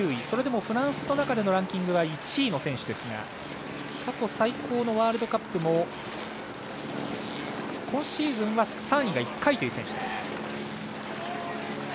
それでもフランスの中でのランキングは１位の選手ですが過去最高のワールドカップも今シーズンは３位が１回という選手です。